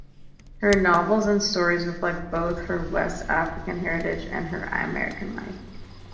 Her novels and stories reflect both her West African heritage and her American life.